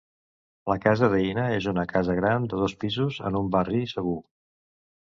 La casa de Hina és una casa gran de dos pisos en un barri segur.